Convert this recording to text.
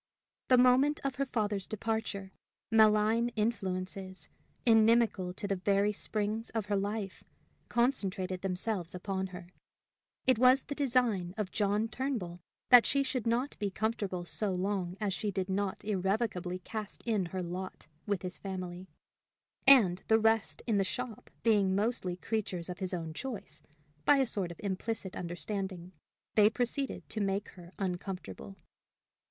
The moment of her father's departure, malign influences, inimical to the very springs of her life, concentrated themselves upon her: it was the design of John Turnbull that she should not be comfortable so long as she did not irrevocably cast in her lot with his family; and, the rest in the shop being mostly creatures of his own choice, by a sort of implicit understanding they proceeded to make her uncomfortable.